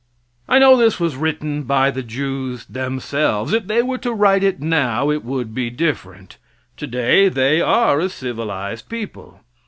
I know this was written by the Jews themselves. If they were to write it now, it would be different. Today they are a civilized people.